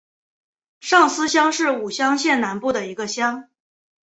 上司乡是武乡县南部的一个乡。